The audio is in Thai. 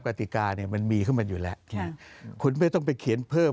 กติกาเนี่ยมันมีขึ้นมาอยู่แล้วคุณไม่ต้องไปเขียนเพิ่ม